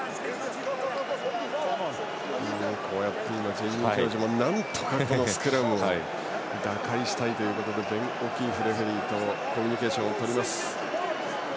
ジェイミー・ジョージもなんとかスクラムで打開したいということでベン・オキーフレフリーとコミュニケーションを取ります。